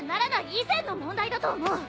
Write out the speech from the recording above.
以前の問題だと思う！